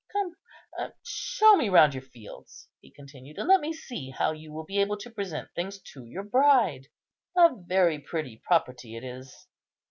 Come, show me round your fields," he continued, "and let me see how you will be able to present things to your bride. A very pretty property it is.